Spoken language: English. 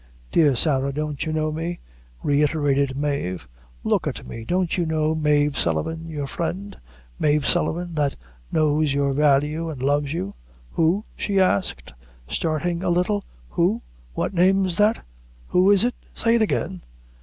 "Dear Sarah, don't you know me?" reiterated Mave; "look at me don't you know Mave Sullivan your friend, Mave Sullivan, that knows your value and loves you." "Who?" she asked, starting a little; "who what name is that? who is it? say it again."